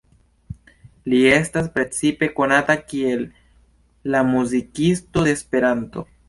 Li estas precipe konata kiel „la muzikisto de Esperanto“.